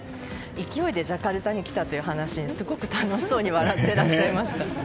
勢いでジャカルタに来たという話に、すごく楽しそうに笑ってらっしゃいました。